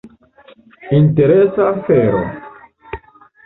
Interesa afero.